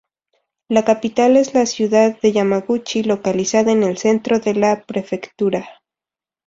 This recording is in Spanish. La capital es la ciudad de Yamaguchi, localizada en el centro de la prefectura.